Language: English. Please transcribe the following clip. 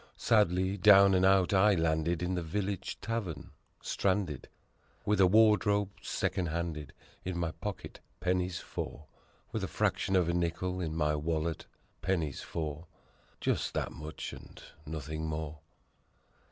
Sadly down and out I landed in the village tavern stranded ! With a wardrobe second handed; in my pocket, pennies four; With a fraction of a nickel in my wallet pennies four Just that much and nothing more.